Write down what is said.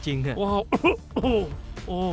โอ้โหโอ้โหเผ็ดมากเลย